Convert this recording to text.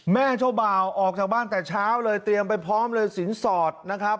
แม่เจ้าบ่าวออกจากบ้านแต่เช้าเลยเตรียมไปพร้อมเลยสินสอดนะครับ